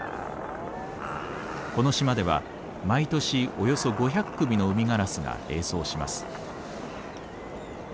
この島では毎年およそ５００組のウミガラスが営巣します。